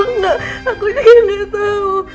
aku enggak aku juga enggak tahu